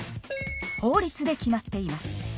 法律で決まっています。